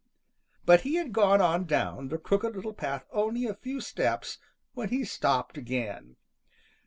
But he had gone on down the Crooked Little Path only a few steps when he stopped again.